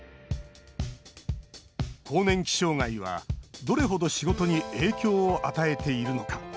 更年期障害は、どれほど仕事に影響を与えているのか。